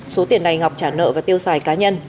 số tiền này ngọc trả nợ và tiêu xài cá nhân